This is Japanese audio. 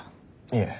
いえ。